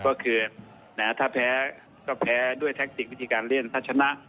ก็คือถ้าแพ้ก็แพ้ด้วยแท็กติกวิธีการเล่นถ้าชนะ